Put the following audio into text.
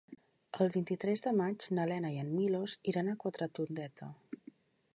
El vint-i-tres de maig na Lena i en Milos iran a Quatretondeta.